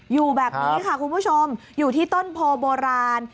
อยู่แบบนี้ค่ะคุณผู้ชมอยู่ที่ต้นโพโบราณ